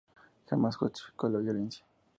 Jamás justificó la violencia.